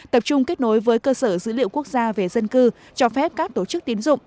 tập trung kết nối với cơ sở dữ liệu quốc gia về dân cư cho phép các tổ chức tín dụng